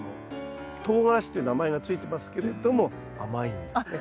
とうがらしっていう名前が付いてますけれども甘いんですね。